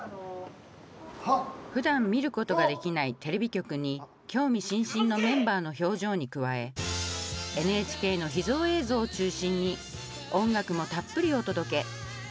ふだん見ることができないテレビ局に興味津々のメンバーの表情に加えＮＨＫの秘蔵映像を中心に音楽もたっぷりお届け。